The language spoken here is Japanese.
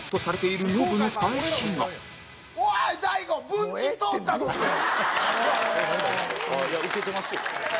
「いやウケてますよ」